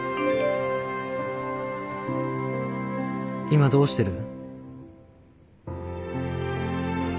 「今どうしてる？」。